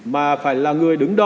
mà phải là người đứng đầu